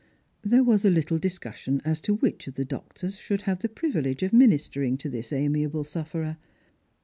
There was a little discussion as to which of the doctors should have the privilege of ministering to this amiable sufferer.